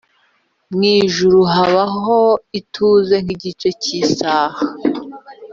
mu ijuru habaho ituze nk’igice cy’isaha.